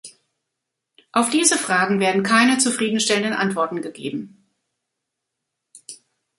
Auf diese Fragen werden keine zufrieden stellenden Antworten gegeben.